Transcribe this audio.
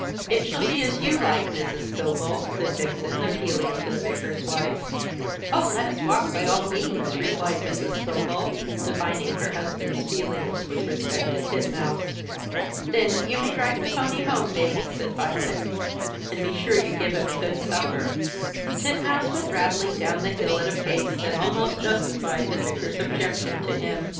"It shall be as you like, Mrs. Scobel," said Vixen, appealing to the Vicar's wife. "Oh, let us walk by all means," replied Mrs. Scobel, divining her husband's feelings with respect to Titmouse. "Then, you may drive the pony home, Bates," said Violet; "and be sure you give him a good supper." Titmouse went rattling down the hill at a pace that almost justified the Vicar's objection to him.